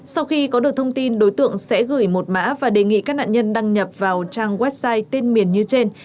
sau khi có được thông tin đối tượng sẽ gửi một mã và đề nghị các nạn nhân đăng nhập vào trang website tên miền như trên